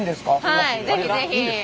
はい是非是非。